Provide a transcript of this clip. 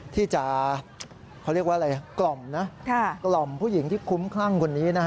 ที่จะกล่อมผู้หญิงที่คุ้มครั่งคนนี้